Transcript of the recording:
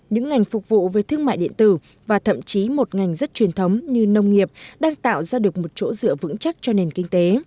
những ngành phục vụ về thương mại điện tử và thậm chí một ngành rất truyền thống như nông nghiệp đang tạo ra được một chỗ dựa vững chắc cho nền kinh tế